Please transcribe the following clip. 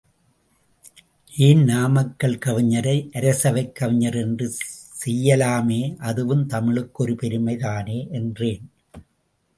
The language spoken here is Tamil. ஏன் நாமக்கல் கவிஞரை அரசவைக் கவிஞர் என்று செய்யலாமே, அதுவும் தமிழுக்கு ஒரு பெருமை தானே என்றேன்.